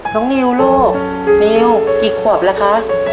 น้องนิวลูกนิวกี่ขวบละคะ